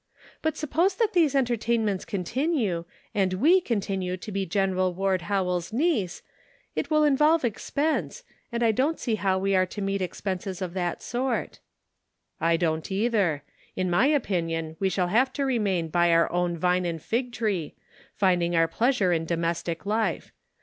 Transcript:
But suppose that these entertainments continue, and we continue to be Gen. Ward Howell's neice, it will in volve expense, and I don't see how we are to meet expenses of that sort." " I don't either. In my opinion, we shall have to remain by ' our own vine and fig tree,' finding our pleasure in domestic life.